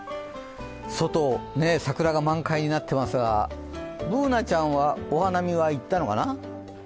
外、桜が満開になっていますが、Ｂｏｏｎａちゃんはお花見は行ったのかな？